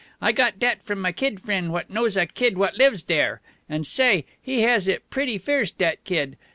I got dat from my kid frien' what knows a kid what lives dere. An' say, he has it pretty fierce, dat kid.